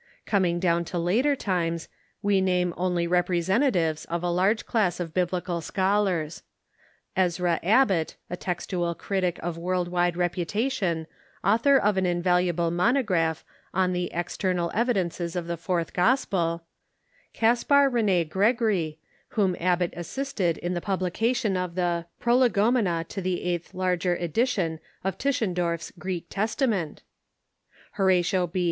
Coming down to later times, we name only repre sentatives of a large class of Biblical scholars : Ezra Abbot, a textual critic of world wide reputation, author of an invaluable monograph on the "External Evidences of the Fourth Gos pel"; Caspar Rene Gregory, whom Abbot assisted in tlie publication of the "Prolegomena to the Eighth Larger Edi tion of Tischendorf's Greek Testament"; Horatio B.